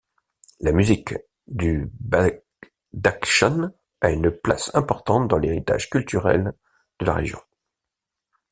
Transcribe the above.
La musique du Badakhshan a une place importante dans l'héritage culturel de la région.